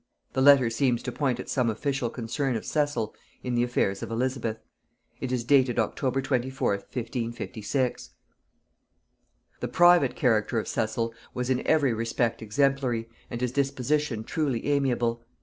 The letter seems to point at some official concern of Cecil in the affairs of Elizabeth. It is dated October 24th 1556. The private character of Cecil was in every respect exemplary, and his disposition truly amiable.